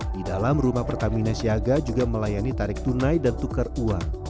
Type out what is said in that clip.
di dalam rumah pertamina siaga juga melayani tarik tunai dan tukar uang